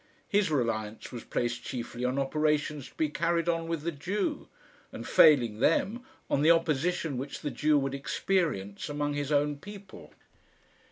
His reliance was placed chiefly on operations to be carried on with the Jew; and, failing them, on the opposition which the Jew would experience among his own people.